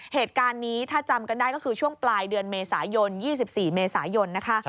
เหตุการณ์นี้ถ้าจำกันได้ก็คือช่วงปลายเดือนเมษายน๒๔เมษายนนะคะ